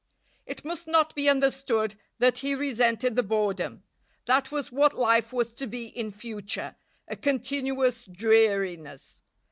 It must not be understood that he resented the boredom. That was what life was to be in future, a continuous dreariness.